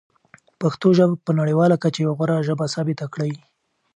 پښتو ژبه په نړیواله کچه یوه غوره ژبه ثابته کړئ.